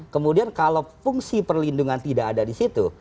kemudian kalau fungsi perlindungan tidak ada di situ